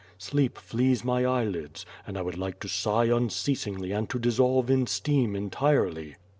Sleep flees my eyelids, and I would like to sigh unceasingly and to dissolve in steam entirely.